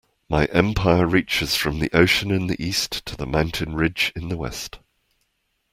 My empire reaches from the ocean in the East to the mountain ridge in the West.